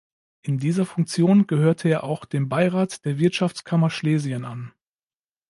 In dieser Funktion gehörte er auch dem Beirat der Wirtschaftskammer Schlesien an.